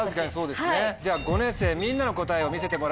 では５年生みんなの答えを見せてもらいましょう。